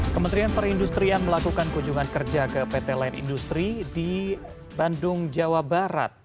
kementerian perindustrian melakukan kunjungan kerja ke pt line industri di bandung jawa barat